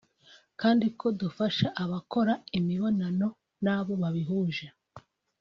Kandi ko bufasha abakora imibonano n’abo babihuje